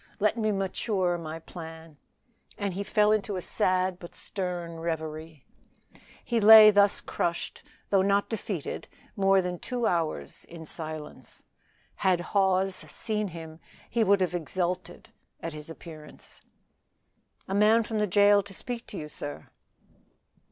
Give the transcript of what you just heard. Let me mature my plan;" and he fell into a sad but stern reverie. He lay thus crushed, though not defeated, more than two hours in silence. Had Hawes seen him he would have exulted at his appearance. "A man from the jail to speak to you, sir."